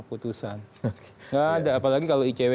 putusan nggak ada apalagi kalau icw